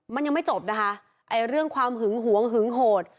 มันยังไม่จบนะคะไอ้เรื่องความหึงหวงหึงโหด